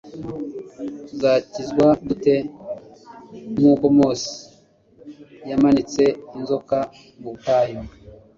Tuzakizwa dute? "Nk'uko Mose yamanitse inzoka mu butayu"